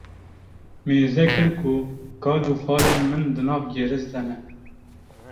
mêze kir ku kal û xalên min di nav gêris de ne